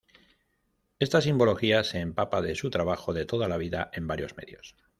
Esta simbología se empapa de su trabajo de toda la vida en varios medios.